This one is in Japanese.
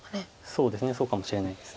そうですねそうかもしれないです。